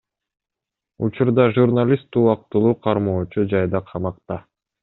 Учурда журналист убактылуу кармоочу жайда камакта.